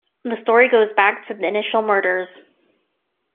The story goes back to the initial murders.